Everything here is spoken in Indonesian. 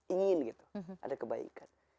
ingin gitu ada kebaikan